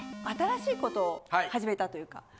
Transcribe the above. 新しい事を始めたというか。